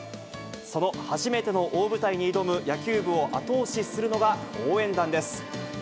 その初めての大舞台に挑む野球部を後押しするのが応援団です。